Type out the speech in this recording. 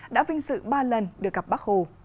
đã vinh dự ba lần được gặp bác hồ